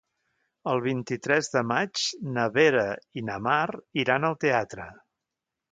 El vint-i-tres de maig na Vera i na Mar iran al teatre.